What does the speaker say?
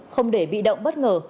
không để bị động bất ngờ